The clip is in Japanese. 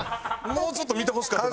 もうちょっと見てほしかったな。